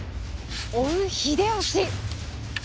追う秀吉！